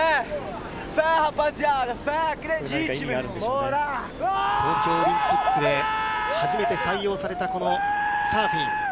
なんか意味があるんでしょう東京オリンピックで初めて採用されたこのサーフィン。